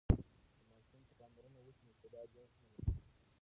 که ماشوم ته پاملرنه وسي نو استعداد یې نه مړ کېږي.